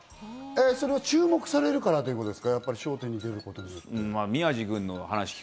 注目されるからっていうことですか？